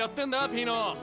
ピーノ。